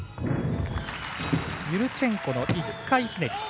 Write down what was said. ユルチェンコの１回ひねり。